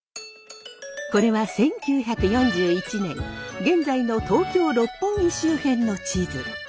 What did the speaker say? これは１９４１年現在の東京・六本木周辺の地図。